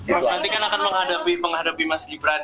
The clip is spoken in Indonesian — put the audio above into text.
prof nanti kan akan menghadapi mas gibran